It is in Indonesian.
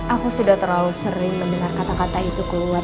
aku sudah terlalu sering mendengar kata kata itu keluar